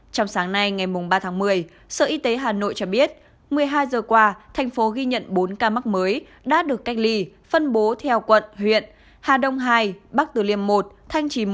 trong sáng nay ngày ba tháng một mươi sở y tế hà nội cho biết một mươi hai giờ qua thành phố ghi nhận bốn ca mắc mới đã được cách ly phân bố theo quận huyện hà đông hai bắc từ liêm một thanh trì một